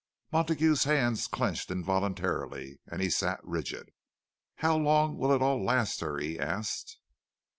Montague's hands clenched involuntarily, and he sat rigid. "How long will it all last her?" he asked.